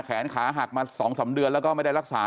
แขนขาหักมา๒๓เดือนแล้วก็ไม่ได้รักษา